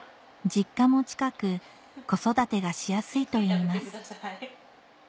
実家も近く子育てがしやすいといいます